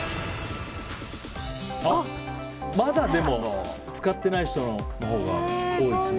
まだ使ってない人のほうが多いですね。